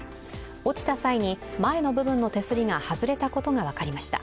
落ちた際に前の部分の手すりが外れたことが分かりました。